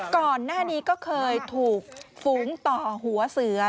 ก่อนหน้านี้ก็เคยถูกฝูงต่อหัวเสือ